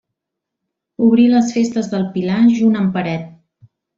Obrí les festes del Pilar junt amb Peret.